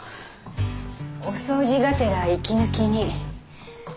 お掃除がてら息抜きに。